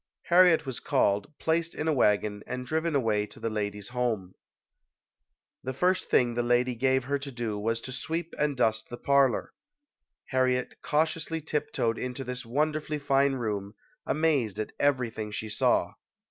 Harriet was called, placed in a wagon and driven away to the lady's home. The first thing the lady gave her to do was to sweep and dust the parlor. Harriet cautiously tiptoed into this wonderfully fine room, amazed at everything she saw.